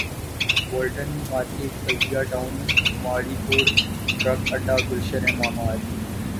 Bolton market Baldia town Mauripur truck اڈہ گلشن معمار